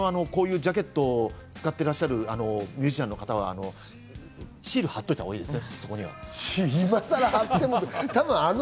ジャケットを使っていらっしゃるミュージシャンの方はシールを貼っておいたほうがいいですね。